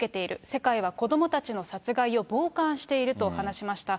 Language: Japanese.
世界は子どもたちの殺害を傍観していると話しました。